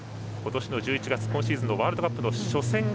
今年の１１月今シーズンのワールドカップ初戦